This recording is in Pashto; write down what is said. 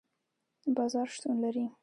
بازار شتون لري